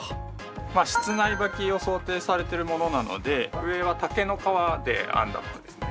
まあ室内履きを想定されてるものなので上は竹の皮で編んだものですね。